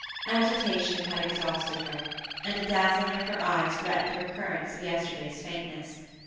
Agitation had exhausted her, and a dazzling of her eyes threatened a recurrence of yesterday's faintness.